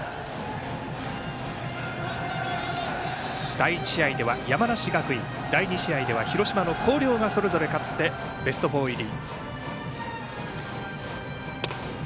第１試合では山梨学院第２試合では広島・広陵がそれぞれ勝ってベスト４入り。